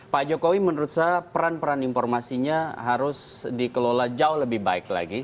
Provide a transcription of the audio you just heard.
pak jokowi menurut saya peran peran informasinya harus dikelola jauh lebih baik lagi